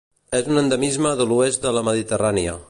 És un endemisme de l'oest de la Mediterrània.